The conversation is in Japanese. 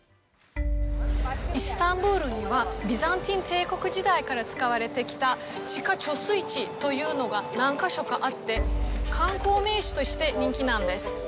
イスタンブールにはビザンティン帝国時代から使われてきた地下貯水池というのが何か所かあって観光名所として人気なんです。